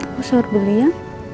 aku sahur dulu ya